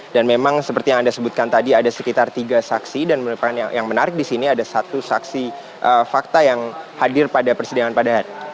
dan memang seperti yang anda sebutkan tadi ada sekitar tiga saksi dan yang menarik di sini ada satu saksi fakta yang hadir pada persidangan pada hari ini